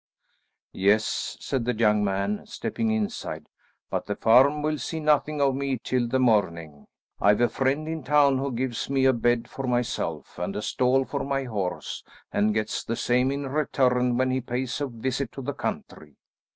"Yes," said the young man stepping inside, "but the farm will see nothing of me till the morning. I've a friend in town who gives me a bed for myself and a stall for my horse, and gets the same in return when he pays a visit to the country."